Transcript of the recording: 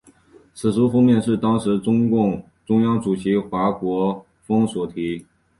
此书封面是当时中共中央主席华国锋所题。